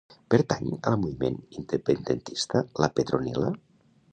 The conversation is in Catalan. Pertany al moviment independentista la Petronila?